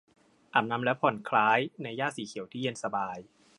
อาบน้ำและผ่อนคล้ายในหญ้าสีเขียวที่เย็นสบาย